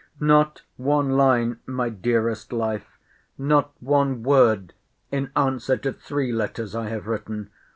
Not one line, my dearest life, not one word, in answer to three letters I have written!